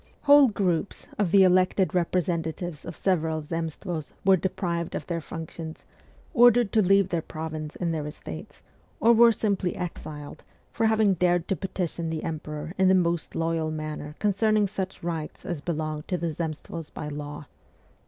Whole groups of the elected representatives of several Zemstvos were deprived of their functions, ordered to leave their province and their estates, or were simply exiled, for having dared to petition the emperor in the most loyal manner concerning such rights as belonged to the Zemstvos by law.